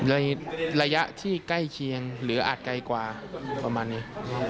ระยะที่ใกล้เคียงหรืออาจไกลกว่าประมาณนี้